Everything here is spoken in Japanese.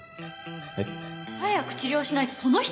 えっ？早く治療しないとその人